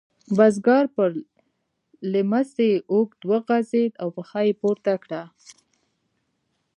بزګر پر لیهمڅي اوږد وغځېد او پښه یې پورته کړه.